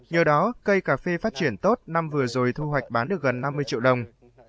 nhờ đó cây cà phê phát triển tốt năm vừa rồi thu hoạch bán được gần năm mươi triệu đồng